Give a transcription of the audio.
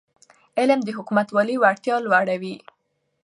علم د حکومتولی وړتیا لوړوي.